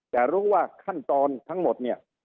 แต่รู้ว่าขั้นตอนทั้งหมดเนี่ย